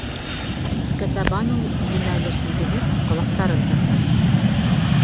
Кискә табан ул, нимәлер һиҙенеп, ҡолаҡтарын тырпайтты.